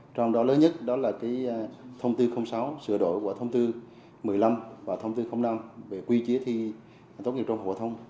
trong đó lớn nhất đó là thông tư sáu sửa đổi của thông tư một mươi năm và thông tư năm về quy chế thi tốt nghiệp trung học phổ thông